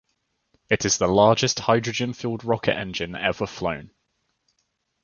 It is the largest hydrogen-fueled rocket engine ever flown.